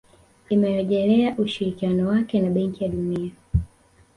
Imerejelea ushirikiano wake na Benki ya Dunia